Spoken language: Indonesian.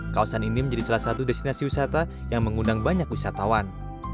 kawasan ini menjadi salah satu destinasi wisata yang mengundang banyak wisatawan